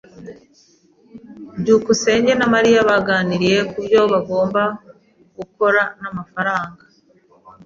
byukusenge na Mariya baganiriye kubyo bagomba gukora n'amafaranga.